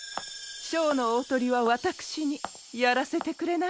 ショーのおおトリはわたくしにやらせてくれないかシラ。